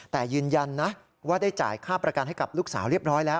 แต่ยืนยันนะว่าได้จ่ายค่าประกันให้กับลูกสาวเรียบร้อยแล้ว